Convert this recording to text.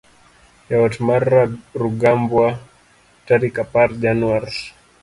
e ot mar Rugambwa tarik apar januar